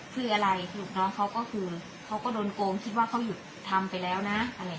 คืออะไรสรุปน้องเขาก็คือเขาก็โดนโกงคิดว่าเขาหยุดทำไปแล้วนะอะไรอย่างนี้